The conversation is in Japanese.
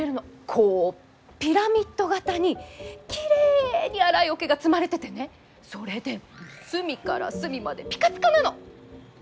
こうピラミッド形にきれいに洗いおけが積まれててねそれで隅から隅までピカピカなの！